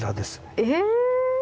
え！